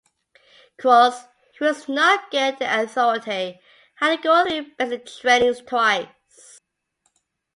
Croce, who was not good with authority, had to go through basic training twice.